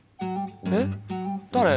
えっ誰？